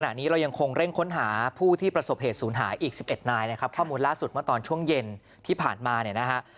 ขณะนี้เรายังคงเร่งค้นหาผู้ที่ประสบเหตุศูนย์หายอีก๑๑นายนะครับข้อมูลล่าสุดเมื่อตอนช่วงเย็นที่ผ่านมาเนี่ยนะฮะ